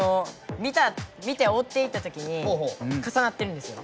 見ておっていったときにかさなってるんですよ。